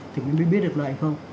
thì mới biết được loại không